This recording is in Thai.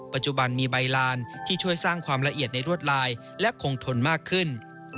ปัจจุบันมีใบลานที่ช่วยสร้างความละเอียดในรวดลายและคงทนมากขึ้น